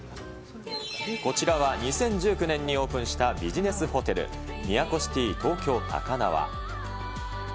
こちらは２０１９年にオープンしたビジネスホテル、都シティ東京高輪。